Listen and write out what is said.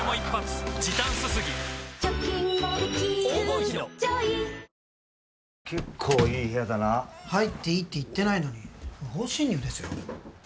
おう結構いい部屋だな入っていいって言ってないのに不法侵入ですよ